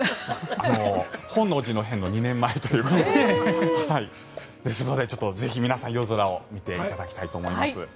本能寺の変の２年前ということでですので、皆さんぜひ夜空を見ていただきたいと思います。